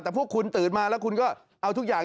แต่พวกคุณตื่นมาแล้วคุณก็เอาทุกอย่าง